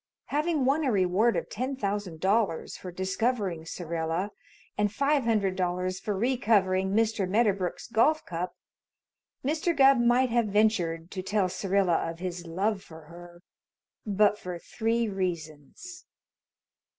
Having won a reward of ten thousand dollars for discovering Syrilla and five hundred dollars for recovering Mr. Medderbrook's golf cup, Mr. Gubb might have ventured to tell Syrilla of his love for her but for three reasons.